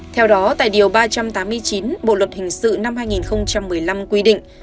theo đó tại điều ba trăm tám mươi chín bộ luật hình sự năm hai nghìn một mươi năm quy định